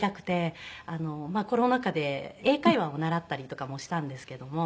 コロナ禍で英会話を習ったりとかもしたんですけども。